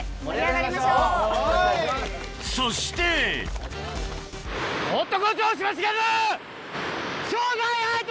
そして男。